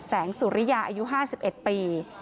สุริยาอายุ๕๑ปี